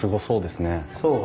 そうですね。